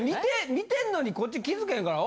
見てんのにこっち気付けへんから。